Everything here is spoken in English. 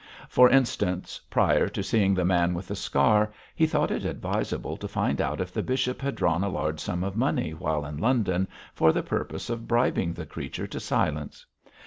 For instance, prior to seeing the man with the scar, he thought it advisable to find out if the bishop had drawn a large sum of money while in London for the purpose of bribing the creature to silence.